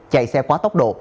chạy xe quá tốc độ